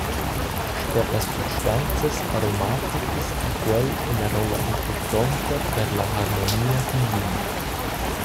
Sper las substanzas aromaticas ha quel ina rolla impurtonta per la harmonia dil vin.